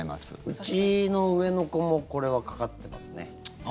うちの上の子もこれはかかってますね。